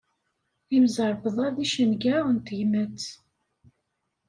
Imẓerbeḍḍa d icenga n tegmat.